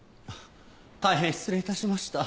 大変失礼致しました。